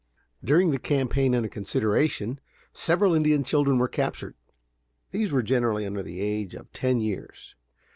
During the campaign under consideration, several Indian children were captured. These were generally under the age of ten years.